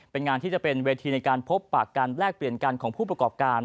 เป็นงานที่จะเป็นเวทีในการพบปากกันแลกเปลี่ยนกันของผู้ประกอบการ